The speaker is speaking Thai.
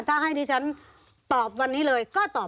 มีความรู้สึกว่ามีความรู้สึกว่า